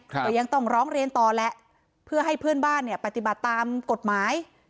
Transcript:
ก็ยังต้องร้องเรียนต่อแหละเพื่อให้เพื่อนบ้านเนี่ยปฏิบัติตามกฎหมาย